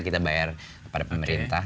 kita bayar pada pemerintah